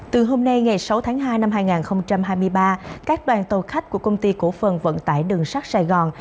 từ hôm nay ngày sáu tháng hai năm hai nghìn hai mươi ba các đoàn tàu khách của công ty cổ phần vận tải đường sắt sài gòn